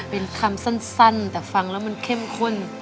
เป็นคำสั้นแต่ฟังแล้วมันเข้มข้น